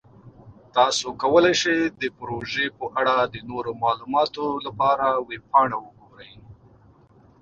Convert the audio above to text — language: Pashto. تاسو کولی شئ د پروژې په اړه د نورو معلوماتو لپاره ویب پاڼه وګورئ.